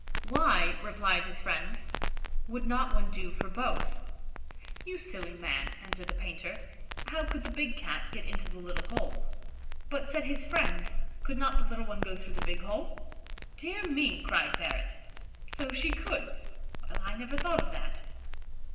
"Why," replied his friend, "would not one do for both?" "You silly man," answered the painter, "how could the big Cat get into the little hole?" "But," said his friend, "could not the little one go through the big hole?" "Dear me," cried Barrett, "so she could; well, I never thought of that."